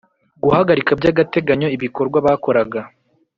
guhagarika by agateganyo ibikorwa bakoraga